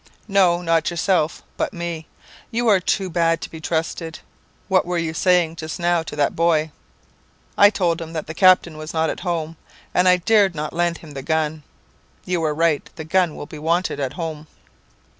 "'No, not yourself, but me. You are too bad to be trusted. What were you saying just now to that boy?' "'I told him that the captain was not at home, and I dared not lend him the gun.' "'You were right. The gun will be wanted at home.'.